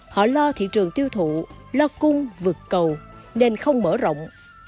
họ lo thị trường tiêu thụ lo cung vượt cầu nên không mở rộng